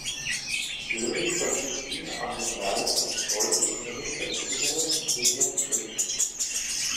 Göring verwies ihn an den Reichs- und preußischen Minister des Innern Wilhelm Frick.